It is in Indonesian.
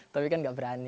tapi kan gak berani